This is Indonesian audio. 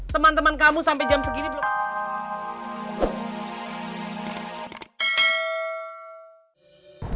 teman teman kamu sampai jam segini belum